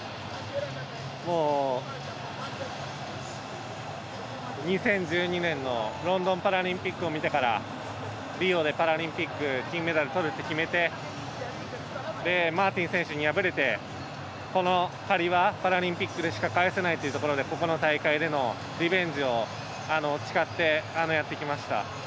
もう、２０１２年のロンドンパラリンピックを見てからリオでパラリンピック金メダルとるって決めてマーティン選手に敗れてこの借りはパラリンピックでしか返せないということでここの再会でのリベンジを誓ってやってきました。